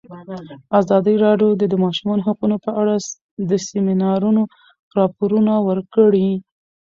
ازادي راډیو د د ماشومانو حقونه په اړه د سیمینارونو راپورونه ورکړي.